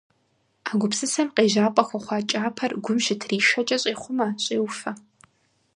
А гупсысэм къежьапӀэ хуэхъуа кӀапэр гум щытришэкӀэ, щӀехъумэ, щӀеуфэ.